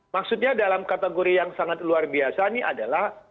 maksudnya dalam kategori yang sangat luar biasa ini adalah